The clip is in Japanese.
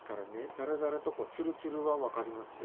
ザラザラとツルツルは分かりますよ。